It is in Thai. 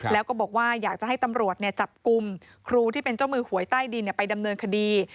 แล้วก็บอกว่าอยากจะให้ตำรวจจับกลุ่มครูที่เป็นเจ้ามือหวยใต้ดินไปดำเนินคดี